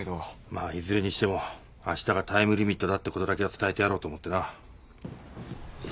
まあいずれにしてもあしたがタイムリミットだってことだけは伝えてやろうと思ってな。